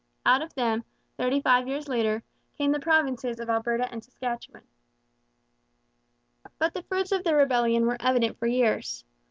Out of them, thirty five years later, came the provinces of Alberta and Saskatchewan. But the fruits of the rebellion were evident for years.